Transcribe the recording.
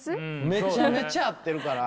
めちゃめちゃ合ってるから！